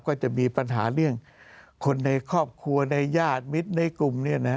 ก็จะมีปัญหาเรื่องคนในครอบครัวในญาติมิตรในกลุ่ม